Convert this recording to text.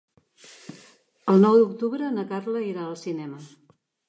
El nou d'octubre na Carla irà al cinema.